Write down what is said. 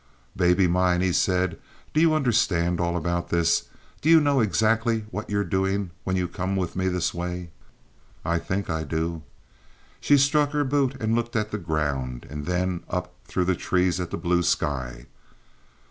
"Baby mine," he said, "do you understand all about this? Do you know exactly what you're doing when you come with me this way?" "I think I do." She struck her boot and looked at the ground, and then up through the trees at the blue sky.